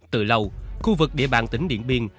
từ lâu khu vực địa bàn tỉnh điện biên